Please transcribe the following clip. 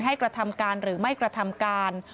กระทำการหรือไม่กระทำการ